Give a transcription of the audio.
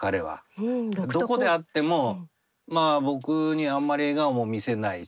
どこで会ってもまあ僕にあんまり笑顔も見せないし。